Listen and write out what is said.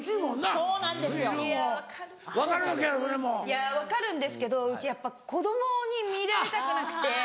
いや分かるんですけどうちやっぱ子供に見られたくなくて。